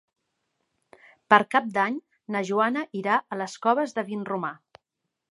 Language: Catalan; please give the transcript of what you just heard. Per Cap d'Any na Joana irà a les Coves de Vinromà.